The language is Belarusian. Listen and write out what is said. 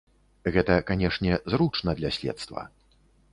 Гэта, канешне, зручна для следства.